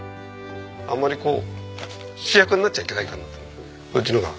あまりこう主役になっちゃいけないから。